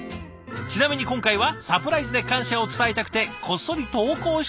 ちなみに今回はサプライズで感謝を伝えたくてこっそり投稿したそうです。